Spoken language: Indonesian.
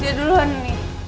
dia duluan nih